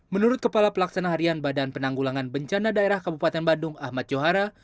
menurut kepala pelaksana harian badan penanggulangan bencana daerah kabupaten bandung ahmad johara